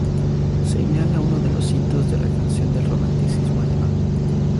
Señala uno de los hitos de la canción del romanticismo alemán.